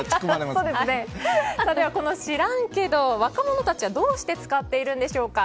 この知らんけど、若者たちはどうして使っているんでしょうか。